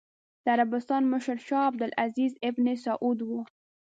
د عربستان مشر شاه عبد العزېز ابن سعود و.